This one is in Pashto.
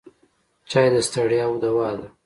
چای د ستړیاوو دوا ده.